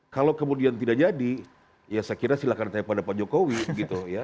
kalau kemudian tidak jadi ya saya kira silahkan tanya pada pak jokowi gitu ya